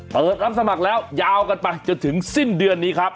เปิดรับสมัครแล้วยาวกันไปจนถึงสิ้นเดือนนี้ครับ